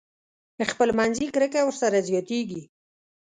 خپل منځي کرکه ورسره زياتېږي.